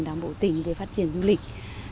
đảng bộ tỉnh về phát triển du lịch